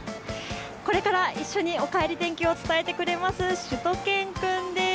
これから一緒に「おかえり天気」を伝えてくれますしゅと犬くんです。